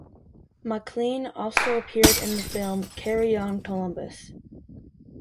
Maclean also appeared in the film "Carry On Columbus".